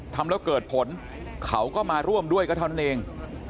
ทำแล้วเกิดผลเขาก็มาร่วมด้วยก็เท่านั้นเอง